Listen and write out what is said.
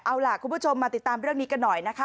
เอาล่ะคุณผู้ชมมาติดตามเรื่องนี้กันหน่อยนะคะ